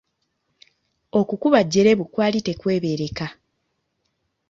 Okukuba Jjejjerebu kwali tekwebeereka.